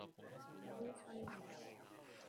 여기서 일해요?